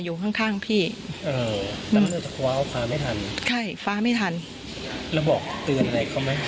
อยู่ข้างข้างพี่เออเอาฟ้าไม่ทันใช่ฟ้าไม่ทันแล้วบอกเตือนอะไรเขา